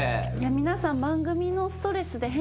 皆さん。